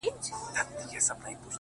• نوره گډا مه كوه مړ به مي كړې ـ